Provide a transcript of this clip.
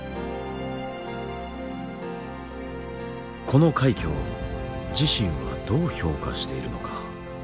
この快挙を自身はどう評価しているのか。